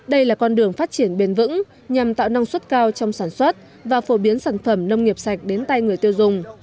đây là con đường phát triển bền vững nhằm tạo năng suất cao trong sản xuất và phổ biến sản phẩm nông nghiệp sạch đến tay người tiêu dùng